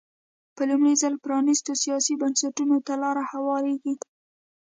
په لومړي ځل پرانېستو سیاسي بنسټونو ته لار هوارېږي.